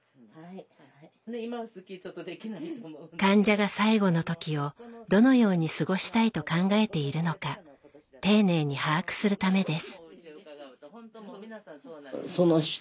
患者が最期の時をどのように過ごしたいと考えているのか丁寧に把握するためです。